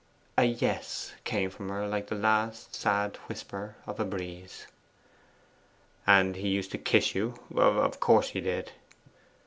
A 'yes' came from her like the last sad whisper of a breeze. 'And he used to kiss you of course he did.